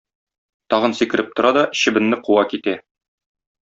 Тагын сикереп тора да чебенне куа китә.